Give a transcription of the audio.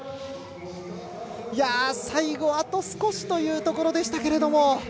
最後、あと少しというところでしたけど。